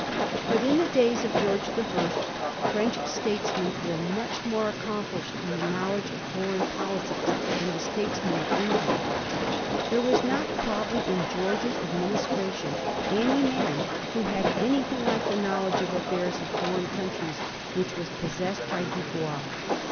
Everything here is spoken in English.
But in the days of George the First, French statesmen were much more accomplished in the knowledge of foreign politics than the statesmen of England. There was not, probably, in George's administration any man who had anything like the knowledge of the affairs of foreign countries which was possessed by Dubois.